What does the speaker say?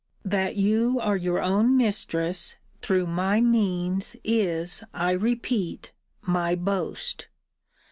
'That you are your own mistress, through my means, is, I repeat, my boast.